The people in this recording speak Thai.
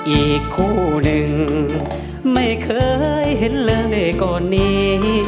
อีกคู่หนึ่งไม่เคยเห็นเลยก่อนนี้